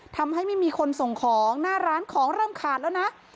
ทำให้ไม่มีคนส่งของหน้าร้านของเริ่มขาดแล้วนะ